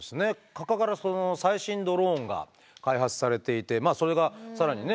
蚊から最新ドローンが開発されていてまあそれが更にね